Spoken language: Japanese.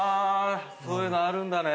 そういうのあるんだね。